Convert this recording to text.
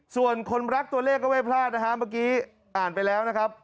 ส่วนคนรักตัวเลขก็ไม่พลาดนะฮะเมื่อกี้อ่านไปแล้วนะครับ